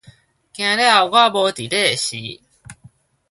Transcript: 驚了我無佇咧的時